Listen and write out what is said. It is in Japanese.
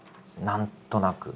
何となく。